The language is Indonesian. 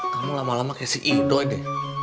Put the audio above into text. kamu lama lama kayak si ido deh